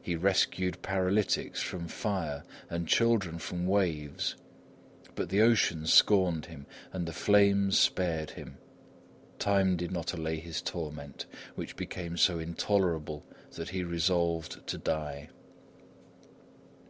He rescued paralytics from fire and children from waves. But the ocean scorned him and the flames spared him. Time did not allay his torment, which became so intolerable that he resolved to die.